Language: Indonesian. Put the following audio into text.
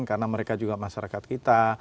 karena mereka juga masyarakat kita